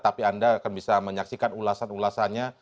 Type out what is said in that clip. tapi anda akan bisa menyaksikan ulasan ulasannya